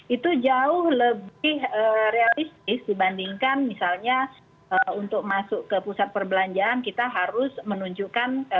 itu jauh lebih realistis dibandingkan misalnya untuk masuk ke pusat perbelanjaan kita harus menunjukkan